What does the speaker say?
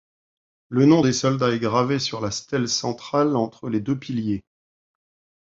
Le nom des soldats est gravé sur la stèle centrale, entre les deux piliers.